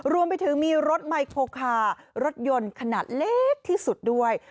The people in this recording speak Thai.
รวมไปถึงมีรถไมโครคารถยนต์ขนาดเล็กที่สุดด้วย